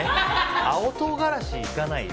青唐辛子はいかないよ。